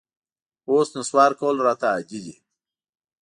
اوس نسوار کول راته عادي دي